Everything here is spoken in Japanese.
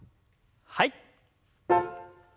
はい。